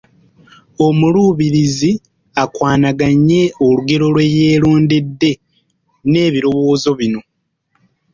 Omuluubirizi akwanaganye olugero lwe yeerondedde n’ebirowoozo bino